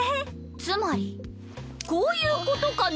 つまりこういうことかね？